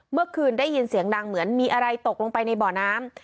เมื่อคืนได้ยินเสียงดังเหมือนมีอะไรตกลงไปในบ่อน้ำ